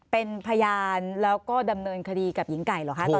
เป็นพยานแล้วก็ดำเนินคดีกับหญิงไก่เหรอคะ